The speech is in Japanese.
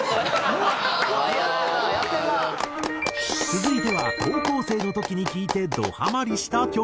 続いては高校生の時に聴いてどハマりした曲。